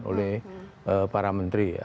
oleh para menteri